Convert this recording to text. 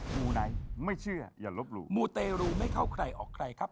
มูไนท์ไม่เชื่ออย่าลบหลู่มูเตรูไม่เข้าใครออกใครครับ